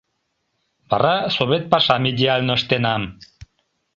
Вара совет пашам идеально ыштенам...